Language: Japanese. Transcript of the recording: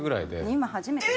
今初めて。